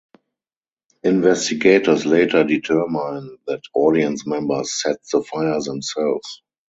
Investigators later determine that audience members set the fire themselves.